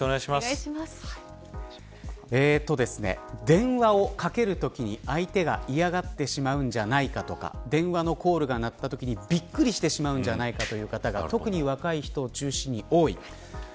電話をかけるときに相手が嫌がってしまうんじゃないかとか電話のコールがなったときにびっくりしてしまうんじゃないかという方が特に若い人を中心に多い。